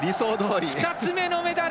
２つ目のメダル！